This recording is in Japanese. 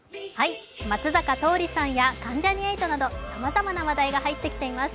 松坂桃李さんや関ジャニ∞などさまざまな話題が入ってきています。